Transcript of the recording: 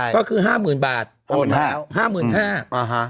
ก็คือ๕หมื่นบาท๕๕๐๐๐บาท